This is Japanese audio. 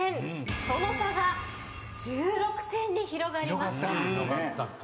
その差が１６点に広がりました。